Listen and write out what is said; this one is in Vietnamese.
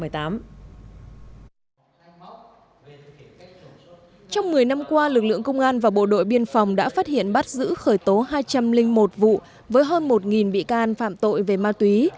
trong một mươi năm qua lực lượng công an và bộ đội biên phòng đã phát hiện bắt giữ khởi tố hai trăm linh một vụ với hơn một bị can phạm tội về ma túy